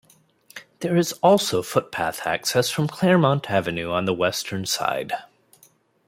There is also footpath access from Claremont Avenue on the western side.